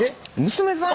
娘さん？